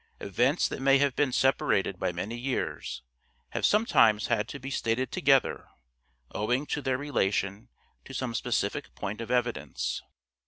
Events that may have been separated by many years have sometimes had to be stated together owing to their relation to some specific point of evidence.